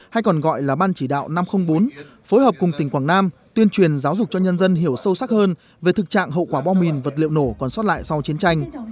hay còn gọi là ban chỉ đạo năm trăm linh bốn phối hợp cùng tỉnh quảng nam tuyên truyền giáo dục cho nhân dân hiểu sâu sắc hơn về thực trạng hậu quả bom mìn vật liệu nổ còn sót lại sau chiến tranh